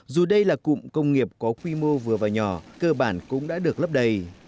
dù đây là cụm công nghiệp có quy mô vừa và nhỏ cơ bản cũng đã được lấp đầy